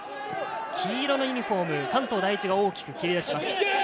黄色のユニホーム、関東第一が大きく蹴り出します。